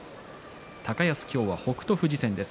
高安、今日は北勝富士戦です。